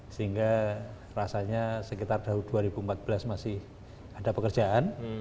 sehingga rasanya sekitar tahun dua ribu empat belas masih ada pekerjaan